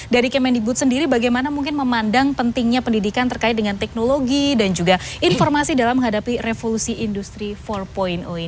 dari kemendikbud sendiri bagaimana mungkin memandang pentingnya pendidikan terkait dengan teknologi dan juga informasi dalam menghadapi revolusi industri empat ini